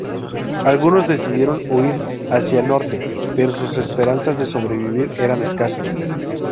Algunos decidieron huir hacia el norte, pero sus esperanzas de sobrevivir eran escasas.